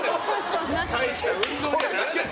大した運動にはならない。